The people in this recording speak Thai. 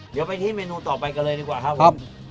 เดี๋ยวไปที่เมนูต่อไปกันเลยดีกว่าครับผม